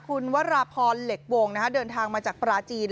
คุณวรพรเหล็กโบงนะฮะเดินทางมาจากปราจีน